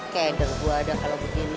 keder gua deh kalo begini